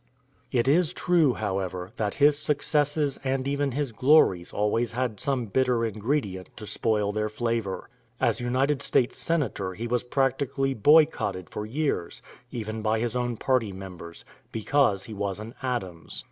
It is true, however, that his successes and even his glories always had some bitter ingredient to spoil their flavor. As United States Senator he was practically "boycotted" for years, even by his own party members, because he was an Adams.